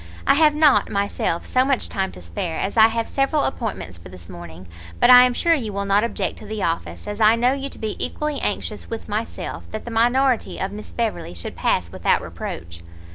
I have not, myself, so much time to spare, as I have several appointments for this morning; but I am sure you will not object to the office, as I know you to be equally anxious with myself, that the minority of Miss Beverley should pass without reproach."